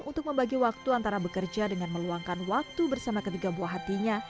untuk membagi waktu antara bekerja dengan meluangkan waktu bersama ketiga buah hatinya